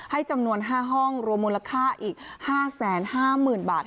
จำนวน๕ห้องรวมมูลค่าอีก๕๕๐๐๐บาท